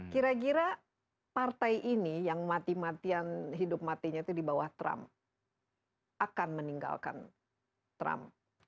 kira kira partai ini yang mati matian hidup matinya itu di bawah trump akan meninggalkan trump